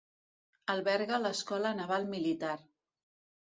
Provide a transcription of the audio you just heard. Alberga l'Escola Naval Militar.